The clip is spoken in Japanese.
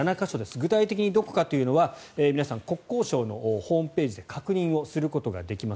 具体的にどこかというのは皆さん、国交省のホームページで確認することができます。